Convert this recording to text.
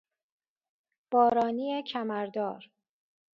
بارانی کمر دار